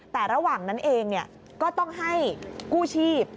แต่ระหว่างนั้นเองก็ต้องให้กู้ชีพ